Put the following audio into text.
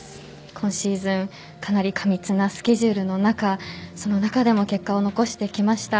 今シーズンかなり過密なスケジュールの中その中でも結果を残してきました。